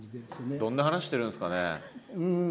どんな話してるんですかね？